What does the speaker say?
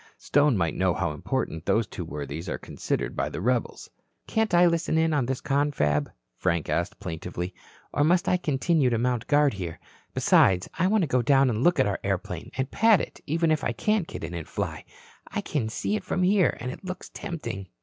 Stone might know how important those two worthies are considered by the rebels." "Can't I listen in on this confab?" Frank asked, plaintively. "Or must I continue to mount guard here? Besides, I want to go down and look at our airplane, and pat it even if I can't get in and fly. I can see it from here, and it looks tempting."